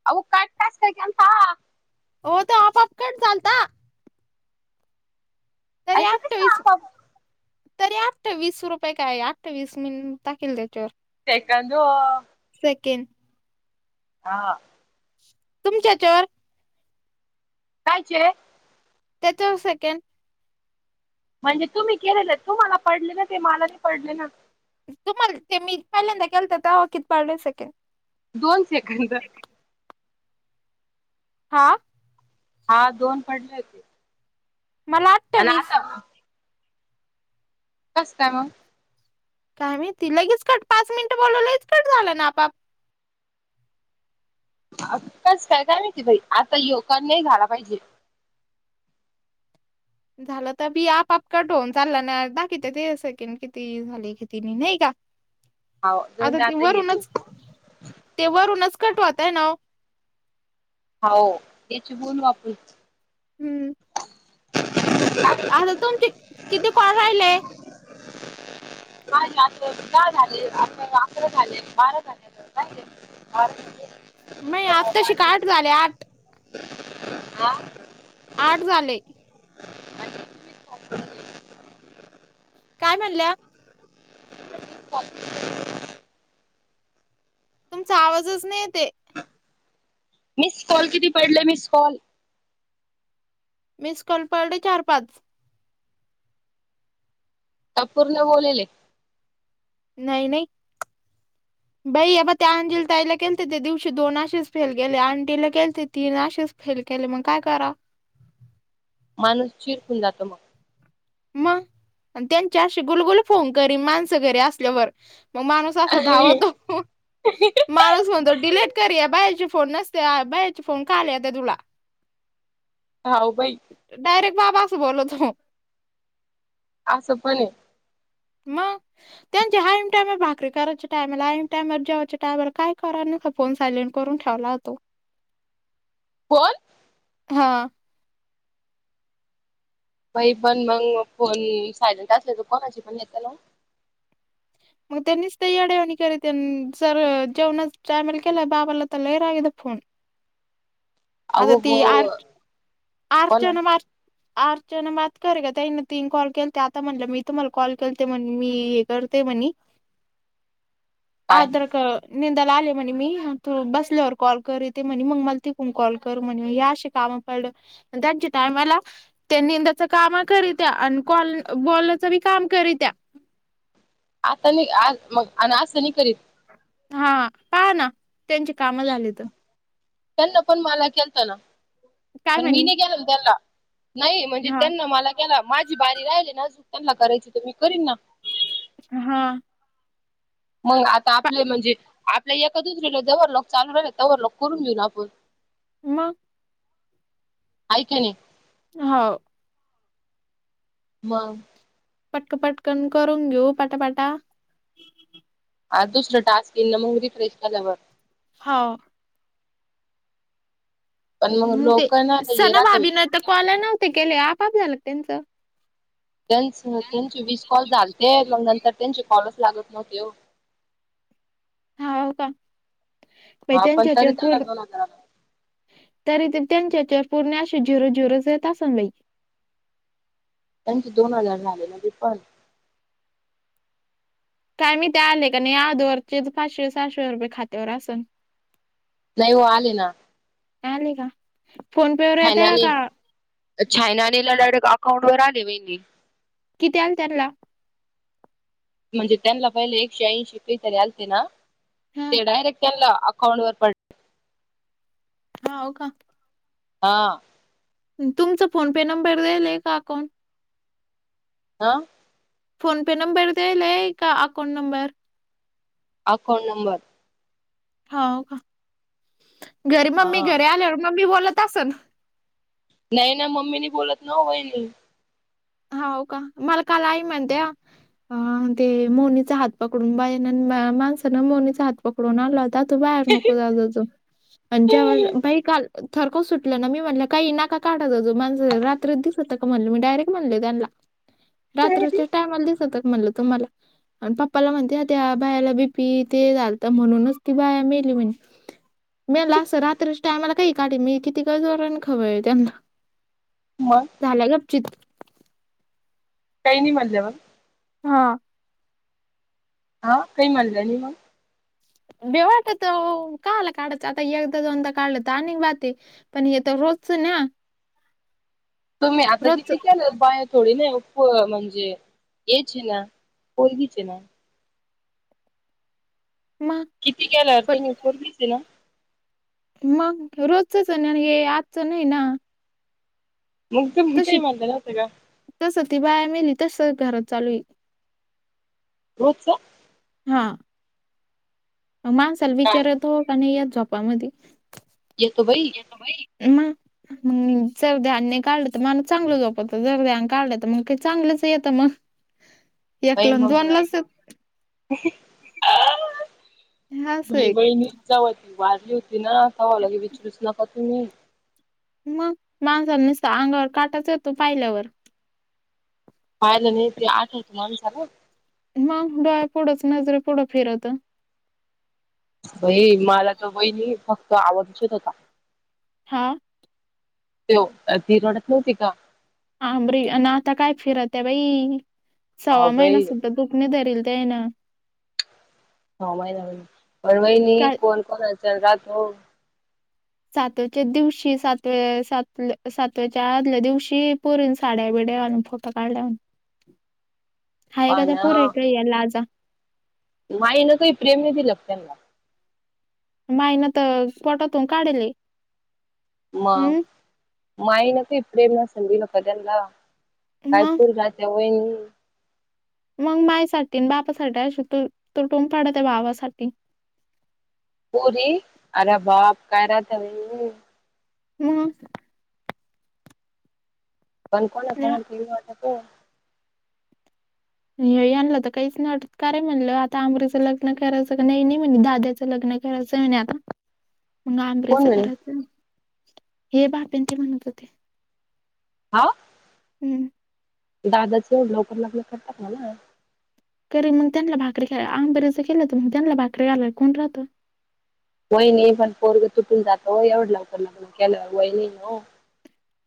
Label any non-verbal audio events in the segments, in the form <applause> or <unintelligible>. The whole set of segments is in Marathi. <inaudible> ओ तो आपोआप कट झालता तरी ऐसा कैसा आठवीस आप तरी आठवीस रुपये काय, आठवीस मी टाकेल त्याच्यावरऽ सेकंदऽऽओ सेकेन्ड हा तुमच्याच्यावर काय ते सेचाळीस सेकंड म्हणजे तुम्ही केलेलं तुम्हाला पडले ना ते मलाही पडले न तुम्हाला ते मी पहिल्यांदा केलत त तवा किती पडलं सेकंड दोन सेकंद हा हा दोन पडलेत मला आणि अठ्ठावीस आता कसकाय मग? काय माहि ती लगेच, कट पाच मिनिटं बोलवलंगेच कट झालं ना आपऽ कस काय काय माहीती बाई,, आता यो कट नाही झाला पाहिजे. झालं तर बी आपआप काटवन चालला ना,, दाकीित ते सेकंड किती झाले, किती नाही नाही का? हो जाऊन दे अगं ते आता ये वरूनच,, ते वरूनच कट व्हतय नव्ह होा,, त्याची बोल वापरऽ हम्म, <inaudible> तुम किती कर राहिलय आ दहा झाले अ अकरा झाले बारा झालेहिे ह आहे नाही आत् तशी काठ झाले आठ हा आठ झाले आणि तुम्हीच करून घ्या. काय म्हणल्या ह तुमचा आवाजच नाही येते. मिस कॉल किती पडले मिस कॉल. मिसकॉल पळले चार पाच अ पूर्ण बोललेले नाही नाही बाई अबा ते अंजीला ताईला केलते ते दिवशी दोन आशेच फेल गेले अंटीला केलते तीन आशेच फेल केले मग काय करा माणूस चिरकून जातो मग मग त्यांच्या अशी गुलगुल फोन करी माणसं घरी असल्यावर मग माणूस धावतो माणूस म्हणतो डलेट करया बायाचे फोन नसते बायाचे फोन कालता तुला. हाऊ बाई डायरेक्ट बाबा असं बोलतो असं पण मग त्यांचे हा इमटाम भाकरी कयचे टायमला आहे टायमर जेवायच्या टामला काय कराणार नस फोन सायलेंट करून ठेवला होतो <inaudible> कोण हा मई पण मग फोन सायलेंट असले तर कोणाची पण घेत ना मग त्यांनीच ते याडवणी करी जर जेवणच टयमल केला बाबाला तर लैराग फोन आता अहो ती हो आर हो ना अर्चना मार. आर जण मात करे का त्यान तीन कॉल केलते आता म्हणलं मी तुम्हाला कॉल केलते म्हण मी करते म्हणे काय आद्र का निंदाला आले म्हणे मी तू बसल्यावर कॉल कर येते म्हणे मग मला तिकून कॉल. कर म्हण ह अशी काम पडलं त्यांच्या टायमाला त्या निंदाच काम करीत्या आणि कॉल बोलण्याचं बी काम करीत्या आतानी आज मग आणि आज त्यांनी करीत हा पहा ना त्यांची कामं झाली तर त्यांना पण मला केलत ना काय पण मी म्हणे नाही केेल ना त्यांना नाही म्हणजे हा त्यांना मला केला माझी बारी राहिली ना अजूक त्यांना करायची तर मी करीन ना. हा मग आता आपले म्हणजे आपल्याला एका दुसरीेला जवर लोक चालू राहिले तवर लोक करून घेऊन आपण मग ऐकणे हो म पटक पटकन करून घेऊ पाटापाटा हा दुसरं टास्क येन ना मग दी फ्रेश झाल्यावर हो पण मग हम् ते लोक ना हे सना राहत बाई भाभीन तर कॉल नव्हते गेले आपाआप झालं त्यांचं त्यांच त्यांची विस कॉल झालते मग नंतर त्यांचे कॉलच लागत नव्हते हा काै हा पण त्यांच्याच्या तरी त्यांना पूरण दोन हजार आला तरी ते त्यांच्याच्यावर पूर्ण अे झिरो झिरोेत असई त्यांचे दोन हजार झाले म्ह पण काय मी ते आले का नाही आज ववररचे पाचशे सहाशे रुपये खात्यावर असन नाही हो आले ना आले का फोन पे वर येत छायनाने का छायनानीला डायरेक्ट अकाउंटवर आले महिनी कित्यालं तेला म्हणजे त्यांना पहिले एकशे ऐंशी पै तरी आलते ना हा ते डायरेक्ट त्यांना अकाउंट वर पडला हा हो का हा तुमचा फोन पे नंबर देईल आहे का अकाउंट हा फोनपे नंबर देईलाय का अकाउंट नंबर अकाउंट नंबर हो का घरी मम्मी हा घरी आलेवर मम्मी बोलत असन नाही ना मम्मीनी बोलत न वहिणी हो का मला काला आई म्हणते अ ते मोनीचा हात पकडून बाया माणसान मोनीचा हात पकडून आलाता तो बाहेर नको दादा तो आणि ज्याव्हा बाई काल थरकव सुटलं ना मी म्हटलं काही ना काढात जाज मा रात्र दिसत का म्हट मी डायरेक्ट म्हणले त्यांना रात्रीच्या टायमला दिसत म्हणलं तुम्हाला आणि पप्पाला म्हणते आ त्या बायाला बीपी ते झालत म्हणूनच ती बाया मेली म्हणज मी म्हणाला असं रात्रीच्या टायमाला काही काढ मी किती गज आणि खवळ त्यांना मग झाल्या गित काही नाही म्हणलं मग हा हा काही म्हणलं मग बेवाट तर का आलं काढाचं आता एकदा दोनदा काढलं तर आणि बात आहे पण येत रोजच ना तुम्ही आता रोजच किती केलं बा थोडी नाही उप म्हणजे येच आहे ना पलगीच आहे ना मग किती केला अर्थ पण मकर दिस ना मग रोजचच नाही हे आजचं नाही ना मग तुम काही मानताय नव्हं का तर सती बाया मेली तर घरात चालूई होजस हा माणसाला हा विचारत हो का नाही यात झोपामध्ये येतो बाई म मग जरद्यानी काढलं तर माण चांगलं झोपत जरद काढलं तर मग काही चांगलंच येतं मग हम वई म असं भई आहे बहीणीच जाव त वारली होती ना कावाला की विचरूच नका तुम्ही मग माणस नुसत अंगावर काटाच येतो पाहिल्यावर पाहाला नाही ते आठवतो माणसाला मग डोळ्या पुढंच नजरे पुढं फिरत बई मला तर बहीणी फक्त आवज उचत होता हा त ती रडत नव्हती का आंबरी ना आता काय फिरत आहे बाई अहो सव्वा महिना बाई सुद्धा कुकण धरील ते आहे ना न महिना म पर वईनी काय कोण कोण अ चल रा तो सातवाच्या दिवशी सात्या सातव्याच्या आदल्या दिवशी परून साड्या बिडे्या अनुभव प काढल्याून हाय कादा पूर पाना आहे का या लाजा माईन काही प्रेम नाही दिलं त्यांना मायन तर पटातून काढली मा मायनक इपडेेम ना सधीला कदला मग कायपूर ग त्या वन मग माय साठी बापासाठीठी अ तू तू टोम पाडत भावासाठी पूरी अरे बाप काय राहत र हम् पण कोण फोण केू वात त हे आणलं तर काहीच नाही अटतकारय म्हणलं आता आमरीच लग्न करायं नाही नाही म्हणे दाद्याच लग्न जमीन आता मग आंबरेच कोण म्हणे कराचं हे बाप्यांचे म्हणत होते हा हम्म दादाचे एवढे लवकर लग्न करतात ना ना कररी मग त्यांना भाकरी खा आम बरेच केलं तर मग त्यांनाला भाकरी घाललाय कोण राहतं वहिणी पण पोरगं तुटून जातो एवढं लवकर लग्न केलं वहिनी न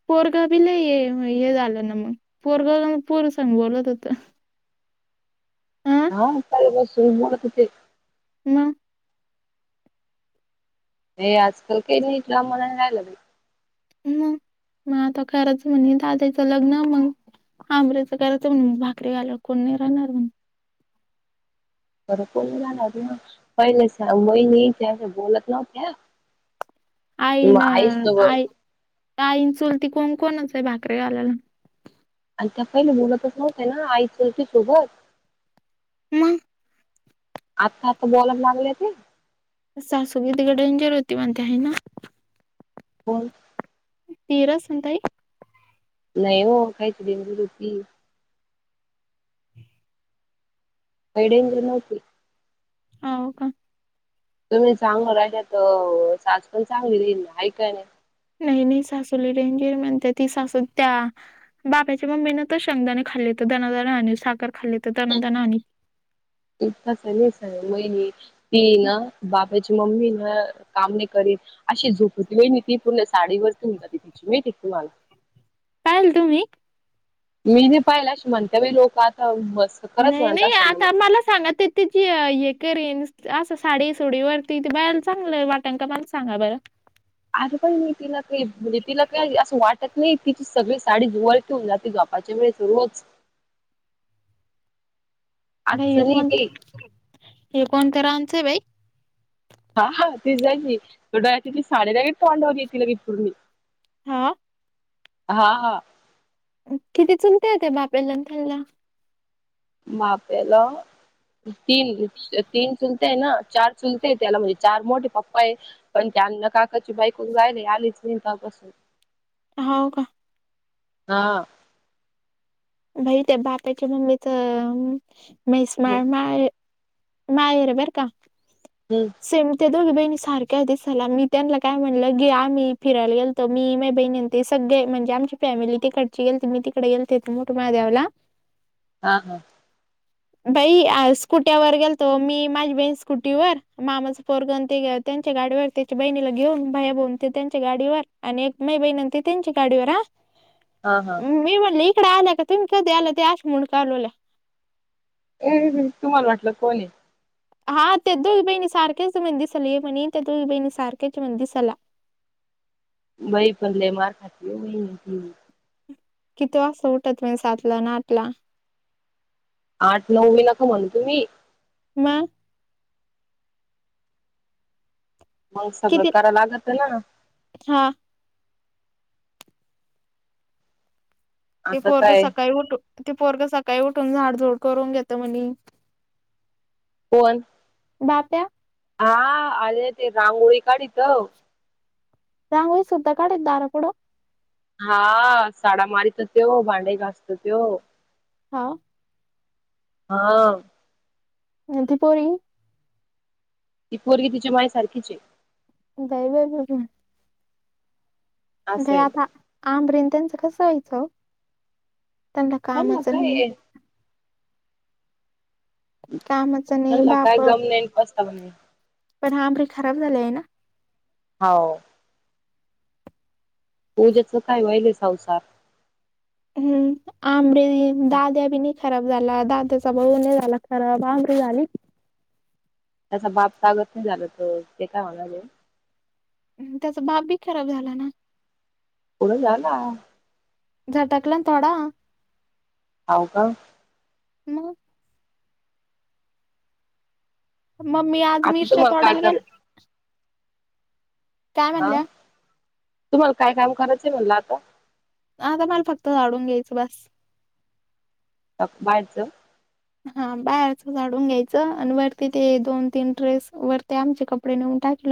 पोरगा बीला हे झालं ना मग पोरगाव पोर सांग बोलत होत अं हा का बस सु मोत म हे आजकाल काही नाही कामाला राहिला ह मग आता खरंच म्हणे दादाचं लग्न मग आांमरेचं करायचं म्हण भाकरी घाल कोण नाही राहणार म्हण बर कोण झालत ना पहिले स मई नाही बोलत नवत्या आई ना आई ताईन चुलती कोंकणच आहे भाकरीे गालायला आणि त्या पहिले बोलतच नव्हते ना आई चुलती सोबत मग आत्ता आत्ता बोलाया लागले ते सासू कितीक डेंजर होती म्हणते आहे ना हो तीरासंतई नाही हो खायची देणगी रोटी काही डेंजर नव्हती हो का तुम्ही चांगल राहिला तर सास पण चांगली राहील हाय का नाही. नाही नाही सासु लय डेंजर म्हणते ती सासू त्या... बापच्या मम्मी ना तर शंगदाणे खाल्लेत दनादा आण साखर खाल्ली तर दानाना आनी.. ती ना बाबाची मम्मी ना काम नाही करीत अशी झोपत वळ ती पूर्ण साडी वरती होऊन जाते तिची माहिती का तुम्हाला ल तुम्ही मी नाही पाहिला म्हणते बाई लोक आता मस्.... नाई नाई आता मला सांगा तें तची हे करीन असं साडी सोडी वरती त बाहेर चांगलं वाटल का मला सांगा बरं. अग पण तिला तिला काही म्हणजे तिला काय असं वाटत नाही तिची सगळी साडी धुवाय <unintelligible> रिकामा ऑडिओ नाई हे असली की कोणत्या, कोणत्या रांची हाय बाई? हा हा ते जाईल नी तिची साडी डायरेक्ट तोंडावर घेते लगे पूर्णी.. हा... हा हा. किती चुलते त्या्या बाप्याला ण त्यानला. माप्याला... तीन. तीन चुलतेय ना चार चुलतेय त्याला म्हणजे चार मोठे पप्पा आहे... पण त्यांना काकाची बाईक वरून जायले आलीच नाही काल पासून. हाव का? हा... बाई त्या बाप्याच्या मम्मीच तर मैस्माळ माळ.. नयेर बरं का. हम्. सेम त्या दोघी बहिणी सारख्या आहे दिसायला मी त्यांना काय म्हणलं ग आमही फिरायला गेलो तर मी मी बहिणी सगळे म्हणजे आमची फॅमिली तिकडची गे मी तिकडे गेलते मोठे महादेवला... रिकामा ऑडिओ हा हा. बाई आहेस कुठे वर गेलं त मी माझी बहीण स्कुटीवर मामाचं पोरगन ते त्यांच्या गाडीवर त्याच्या बहिणीला घेऊन भाया बून... तें त्यांच्या गाडीवर आणि एक मै बहिण त्यांच्या गाडीवर हा... हा हा मी म्हणले इकडे आल्या का तुम्ही कधी आला ते आश म्हणून कालवला.. ह तुम्हाला वाटलं कोण हाय? हा ते दोगी बहिणी सारखेच म्हणे दिसाला एक म्हणे त्या दोघी बहिणी सारखेचं हाय म्हणे दिसाला. बाई पण लय मार खाती ओ बाई ती.. किती वा असं उठत म्हणजे सातला नं आठला. आठ नऊ मी नको म्हणतो मी.. म. मग सगळं कराव लागत ना. हां. ते आता पोरग काय सकाळी उठून ते पोरग सकाळी उठून झाड झोड करून घेत म्हणे कोण? बाप्या. हा आले ते रांगोळी काढीत रांगोळी सुद्धा काढत दारा पुडं हा साडा मारीत तो भांडे घासतो त्यो. हा. हा... <unintelligible> ती पोरगी तिची माय सारखीच हाय. <unintelligible> घ असंय आता आब रिन त्यांचं कसं यायचं त्यांना कामच नाही. कामाचं नाही मला काय बाप गम नाही, पस्ताव नाही. पण हा आमरी खराब झाले आहे ना? हो. पूजेच काय वहिले संसार हम्म. आंमरी, दादया खराब झाल्या दादाचा भाऊ नाही झाला खराब आमरी झाली त्याचा बाप तागत नाही लागत ग, ते काय म्हणाले त्याचा बाप बी खराब झाला ना. पुढं झाला झटाकला थोडा हाऊ का मग मग मी आज आता मिर्च्या तुम्हाला काय तोडायला काम गेल काय आ, म्हणल्या तुम्हाला काय काम करायचं आहे म्हणलं आता आता मला फक्त झाडून घ्यायचं बास. <unintelligible> हा बाहेरच झाडून घ्यायचं, आणि वरती ते दोन तीन ड्रेस वरती आमचे कपडे नेऊन टाकल